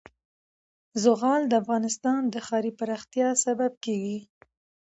زغال د افغانستان د ښاري پراختیا سبب کېږي.